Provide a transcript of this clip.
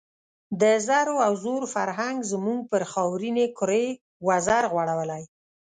د زرو او زور فرهنګ زموږ پر خاورینې کُرې وزر غوړولی.